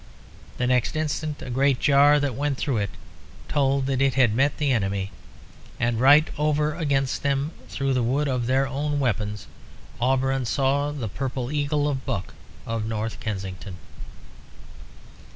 The next instant a great jar that went through it told that it had met the enemy. And right over against them through the wood of their own weapons Auberon saw the Purple Eagle of Buck of North Kensington.